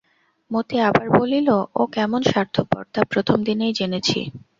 মতি আবার বলিল, ও কেমন স্বার্থপর তা প্রথমদিনেই জেনেছি।